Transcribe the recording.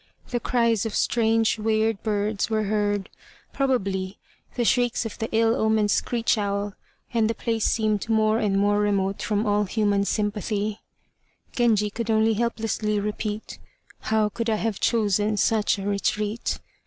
The cries of strange weird birds were heard, probably the shrieks of the ill omened screech owl, and the place seemed more and more remote from all human sympathy. Genji could only helplessly repeat, "How could I have chosen such a retreat."